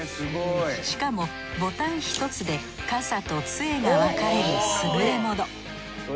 しかもボタン１つで傘と杖が分かれる優れもの。